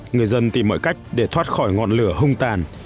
người dân tìm mọi cách để thoát khỏi ngọn lửa hung tàn